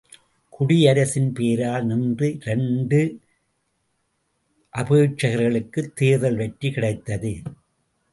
குடியரசின் பெயரால் நின்ற இாண்டு அபேட்சகர்களுக்குத் தேர்தலில் வெற்றி கிடைத்தது.